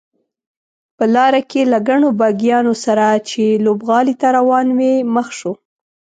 په لاره کې له ګڼو بګیانو سره چې لوبغالي ته روانې وې مخ شوو.